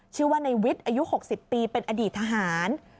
ชื่อว่าในวิทย์อายุ๖๐ปีเป็นอดีตทหาร